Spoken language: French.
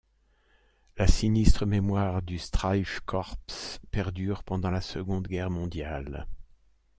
La sinistre mémoire du Streifkorps perdure pendant la Seconde Guerre mondiale.